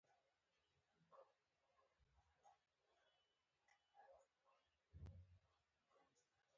یو دم یې ګامونه چټک کړل.